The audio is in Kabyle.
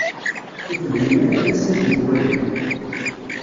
Ur tebni ara fell-asen ad ten-twali.